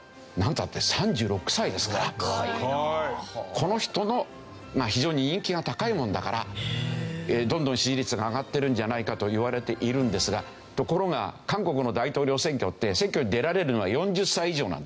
この人の非常に人気が高いものだからどんどん支持率が上がっているんじゃないかといわれているんですがところが韓国の大統領選挙って選挙に出られるのは４０歳以上なんですよ。